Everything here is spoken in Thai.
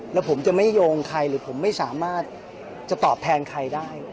แล้วผมจะไม่โยงใครหรือผมไม่สามารถจะตอบแทนใครได้